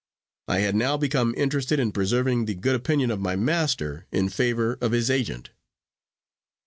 I had now become interested in preserving the good opinion of my master in favor of his agent.